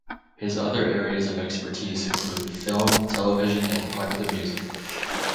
His other areas of expertise include film, television, and popular music.